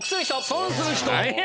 損する人。